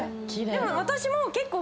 でも私も結構。